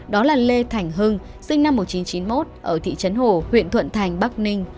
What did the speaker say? đó là lê thành hưng sinh năm một nghìn chín trăm chín mươi một ở thị trấn hồ huyện thuận thành bắc ninh